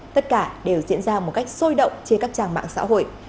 tất cả đều diễn ra một cách sôi động trên các trang mạng xã hội